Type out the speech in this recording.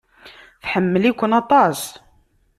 Tḥemmel-iken aṭas.